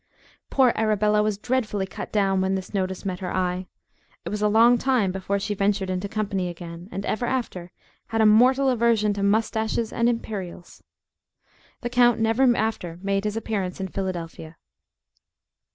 Poor Arabella was dreadfully cut down when this notice met her eye. It was a long time before she ventured into company again, and ever after had a mortal aversion to mustaches and imperials. The count never after made his appearance in Philadelphia.